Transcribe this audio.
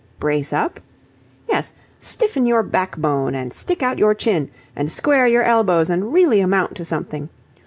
"Brace up?" "Yes, stiffen your backbone and stick out your chin, and square your elbows, and really amount to something.